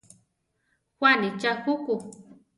Juanitza juku?